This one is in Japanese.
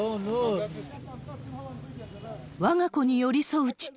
わが子に寄り添う父。